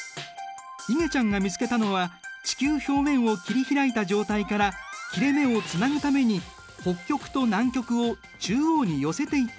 いげちゃんが見つけたのは地球表面を切り開いた状態から切れ目をつなぐために北極と南極を中央に寄せていったもの。